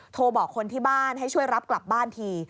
โทรบอกคนที่บ้านให้ช่วยรับกลับบ้านที